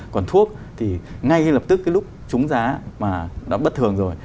còn thuốc thì ngay lập tức cái lúc chúng giá mà đã bất thường rồi